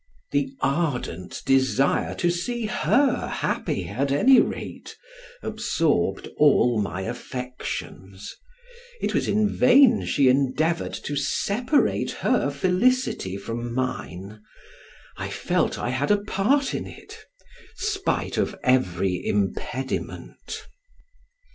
The ardent desire to see her happy, at any rate, absorbed all my affections; it was in vain she endeavored to separate her felicity from mine, I felt I had a part in it, spite of every impediment.